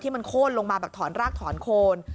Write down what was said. มันโค้นลงมาแบบถอนรากถอนโคน